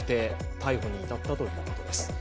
逮捕に至ったということです。